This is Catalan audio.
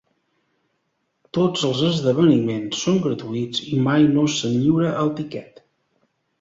Tots els esdeveniments són gratuïts i mai no se'n lliura el tiquet.